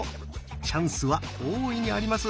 チャンスは大いにあります。